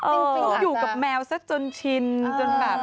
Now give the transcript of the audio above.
เขาอยู่กับแมวซะจนชินจนแบบ